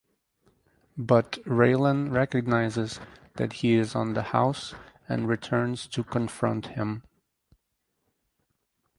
But Raylan recognizes that he is on the house and returns to confront him.